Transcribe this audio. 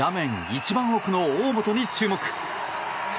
一番奥の大本に注目。